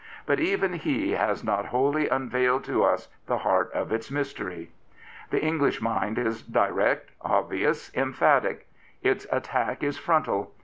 But even he has not wholly unveiled to us the heart of its mystery. The English mind is direct, obvious, emphatic. Its attack is frontal.